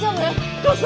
どうした？